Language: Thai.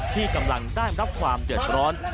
ที่กำลังได้รับความเดือดร้อน